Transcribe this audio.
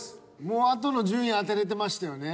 もうあとの順位当てれてましたよね。